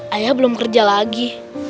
ayah belum kerja lagi